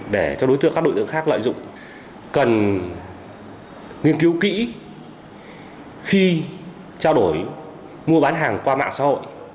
để cho đối tượng khác lợi dụng cần nghiên cứu kỹ khi trao đổi mua bán hàng qua mạng xã hội